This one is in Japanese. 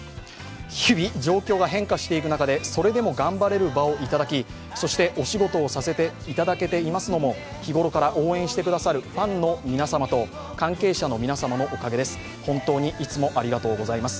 日々状況が変化していく中で、それでも頑張れる場をいただきそしてお仕事をさせていただいてますのも日頃から応援してくださるファンの皆様と関係者の皆様のおかげです、本当にいつもありがとうございます。